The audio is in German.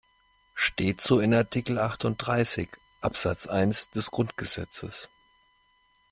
Steht so in Artikel achtunddreißig, Absatz eins des Grundgesetzes.